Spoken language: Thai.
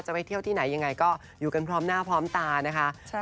ไปเที่ยวที่ไหนยังไงก็อยู่กันพร้อมหน้าพร้อมตานะคะ